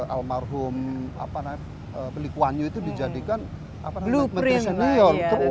almarhum pelikwanyu itu dijadikan blueprint